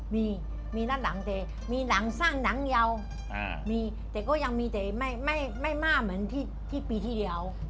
มีมีละลังเจมีลังสร้างหนังเยาว์มีแต่ก็ยังมีเจไม่มาเหมือนที่ปีที่เดียว